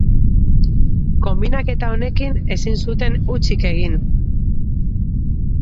Konbinaketa honekin, ezin zuten hutsik egin.